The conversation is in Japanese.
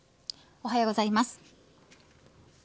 おはようございます。